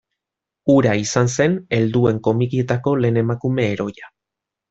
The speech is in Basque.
Hura izan zen helduen komikietako lehen emakume heroia.